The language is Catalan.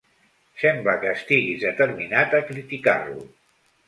Sembla que estiguis determinat a criticar-lo.